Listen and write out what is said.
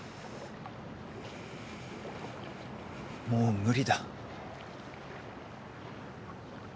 もう無理だ。